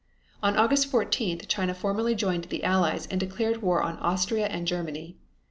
On August 14th China formally joined the Allies and declared war on Austria and Germany.